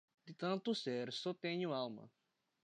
De tanto ser, só tenho alma.